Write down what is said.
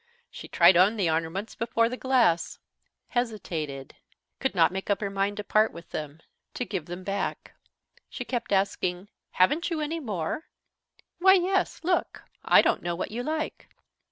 She tried on the ornaments before the glass, hesitated, could not make up her mind to part with them, to give them back. She kept asking: "Haven't you any more?" "Why, yes. Look. I don't know what you like."